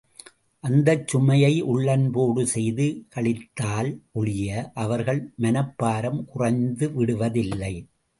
அந்தச் சுமையை உள்ளன்போடு செய்து கழித்தால் ஒழிய, அவர்கள் மனப்பாரம் குறைந்துவிடுவது இல்லை.